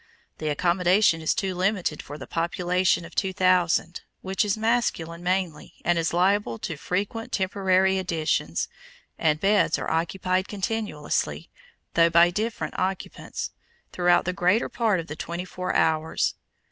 The accommodation is too limited for the population of 2,000, which is masculine mainly, and is liable to frequent temporary additions, and beds are occupied continuously, though by different occupants, throughout the greater part of the twenty four hours.